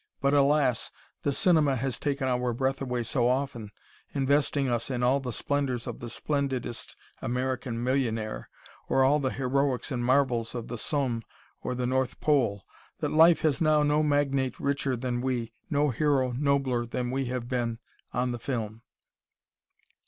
But alas, the cinema has taken our breath away so often, investing us in all the splendours of the splendidest American millionaire, or all the heroics and marvels of the Somme or the North Pole, that life has now no magnate richer than we, no hero nobler than we have been, on the film.